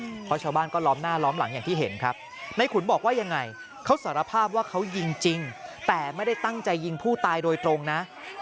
เพราะชาวบ้านก็ล้อมหน้าล้อมหลังอย่างที่เห็นครับในขุนบอกว่ายังไงเขาสารภาพว่าเขายิงจริงแต่ไม่ได้ตั้งใจยิงผู้ตายโดยตรงนะ